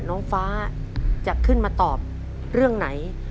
น้องฟ้าจะขึ้นมาตอบเรื่องไหน